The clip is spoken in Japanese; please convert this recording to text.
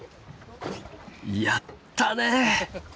やったね！